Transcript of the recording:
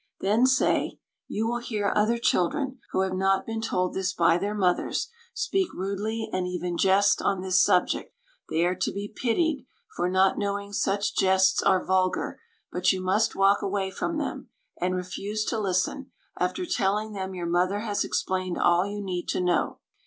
Then say, You will hear other children, who have not been told this by their mothers, speak rudely and even jest on this subject. They are to be pitied, for not knowing such jests are vulgar, but you must walk away from them, and refuse to listen, after telling them your mother has explained all you need to know.